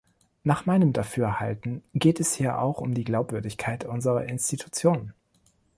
Nach meinem Dafürhalten geht es hier auch um die Glaubwürdigkeit unserer Institutionen.